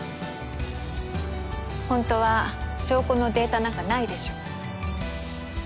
ほんとは証拠のデータなんかないでしょ？